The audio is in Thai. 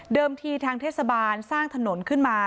ที่ทางเทศบาลสร้างถนนขึ้นมา